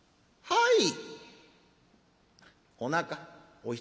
「はい」。